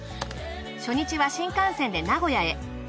初日は新幹線で名古屋へ。